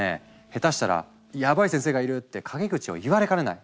ヘタしたら「ヤバイ先生がいる」って陰口を言われかねない。